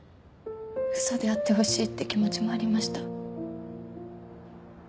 嘘であってほしいって気持ちもありました。